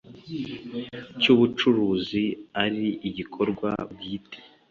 cy ubucuruzi ari igikorwa bwite